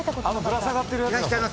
ぶら下がってるやつの方。